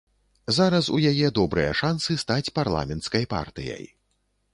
Зараз у яе добрыя шансы стаць парламенцкай партыяй.